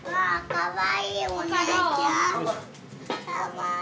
かわいい。